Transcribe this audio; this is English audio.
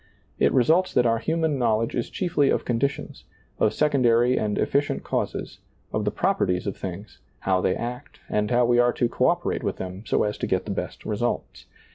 It results that our human knowl edge is chiefly of conditions, of secondary and efficient causes, of the properties of things, how they act, and how we are to co operate with them so as to get the best results.